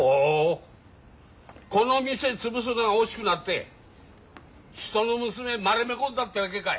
この店潰すのが惜しくなって人の娘丸め込んだってわけかい。